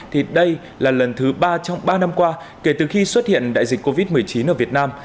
thì đây là lần thứ ba trong ba năm qua kể từ khi xuất hiện đại dịch covid một mươi chín ở việt nam